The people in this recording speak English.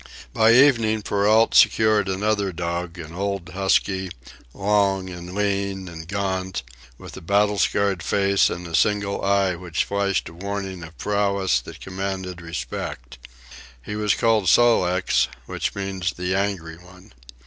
By evening Perrault secured another dog, an old husky, long and lean and gaunt, with a battle scarred face and a single eye which flashed a warning of prowess that commanded respect. He was called Sol leks, which means the Angry One.